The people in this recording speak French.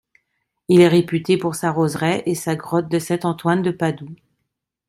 Il est réputé pour sa roseraie et sa grotte de saint Antoine de Padoue.